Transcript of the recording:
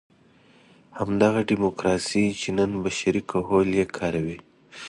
همدغه ډیموکراسي چې نن بشري کهول یې کاروي.